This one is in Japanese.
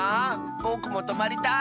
ぼくもとまりたい！